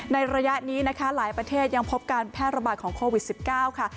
ระยะนี้นะคะหลายประเทศยังพบการแพร่ระบาดของโควิด๑๙ค่ะ